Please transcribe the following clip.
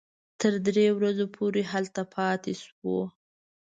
تر درې ورځو پورې هلته پاتې شوو.